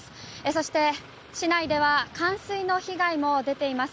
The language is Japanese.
そして、市内では冠水の被害も出ています。